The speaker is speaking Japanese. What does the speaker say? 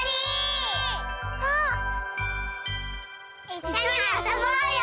いっしょにあそぼうよ！